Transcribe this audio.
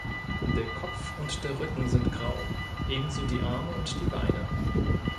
Der Kopf und der Rücken sind grau, ebenso die Arme und die Beine.